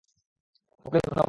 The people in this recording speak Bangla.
ওকে, ধন্যবাদ।